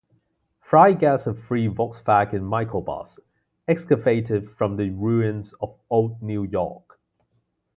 Fry gets a free Volkswagen microbus, excavated from the ruins of Old New York.